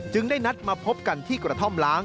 ได้นัดมาพบกันที่กระท่อมล้าง